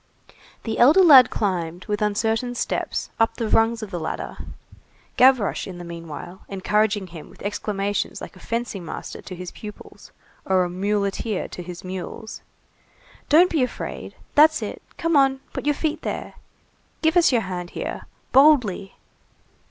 The elder lad climbed, with uncertain steps, up the rungs of the ladder; Gavroche, in the meanwhile, encouraging him with exclamations like a fencing master to his pupils, or a muleteer to his mules. "Don't be afraid!—That's it!—Come on!—Put your feet there!—Give us your hand here!—Boldly!"